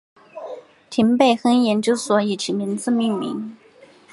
廷贝亨研究所以其名字命名。